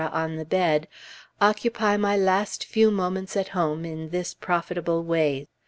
on the bed, occupy my last few moments at home in this profitable way.